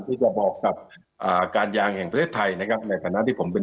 ที่จะบอกกับอ่าการยางแห่งประเทศไทยนะครับในฐานะที่ผมเป็น